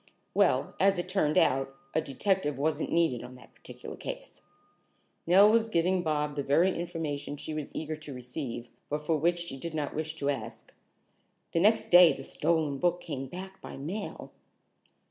"Well, as it turned out, a detective wasn't needed on that particular case." Nell was giving Bob the very information she was eager to receive, but for which she did not wish to ask. "The next day the stolen book came back by mail."